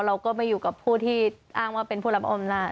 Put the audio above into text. เราก็ไปอยู่กับผู้ที่อ้างว่าเป็นผู้รับอำนาจ